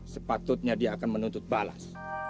sepatutnya dia akan menuntut balas